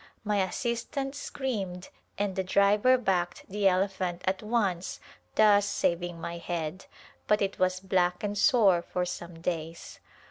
My assistant screamed and the driver backed the elephant at once thus saving my head, but it was black and sore for some days.